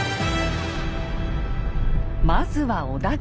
まずは織田軍。